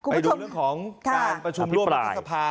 ไปดูเรื่องของการประชุมร่วมรัฐสภา